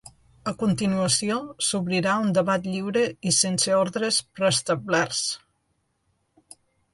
A continuació, s’obrirà un debat lliure i sense ordres preestablerts.